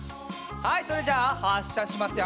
はいそれじゃあはっしゃしますよ。